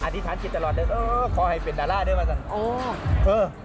อธิษฐานคิดตลอดด้วยเออขอให้เป็นดาร่าด้วยมาสังคม